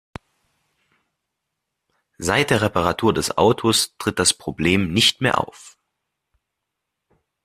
Seit der Reparatur des Autos tritt das Problem nicht mehr auf.